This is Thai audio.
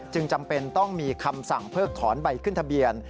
จำเป็นต้องมีคำสั่งเพิกถอนใบขึ้นทะเบียน